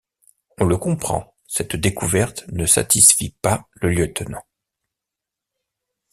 On le comprend, cette découverte ne satisfit pas le lieutenant.